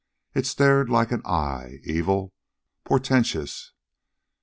It stared like an eye, evil, portentous.